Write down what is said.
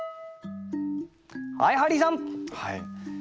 はいハリーさん。